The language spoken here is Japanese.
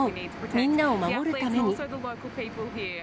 みんなを守るために。